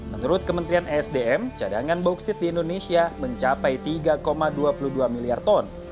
menurut kementerian esdm cadangan bauksit di indonesia mencapai tiga dua puluh dua miliar ton